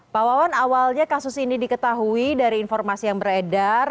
pak wawan awalnya kasus ini diketahui dari informasi yang beredar